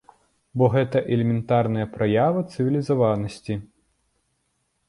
Бо гэта элементарная праява цывілізаванасці.